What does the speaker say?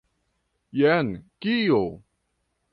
Jen kio!